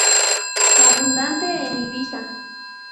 Abundante en Ibiza.